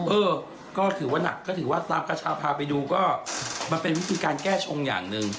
เออก็ถือว่านักก็ถือว่าตามกระชาพาไปดูก็มันเป็นวิธีการแก้ชงอย่างหนึ่ง